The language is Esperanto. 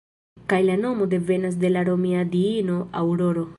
Kaj la nomo devenas de la romia diino Aŭroro.